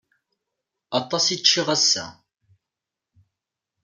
Aṭas i ččiɣ ass-a.